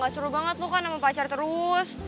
gak seru banget lo kan sama pacar terus